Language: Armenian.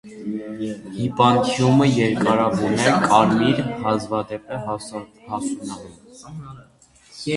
Հիպանթիումը երկարավուն է, կարմիր, հազվադեպ է հասունանում։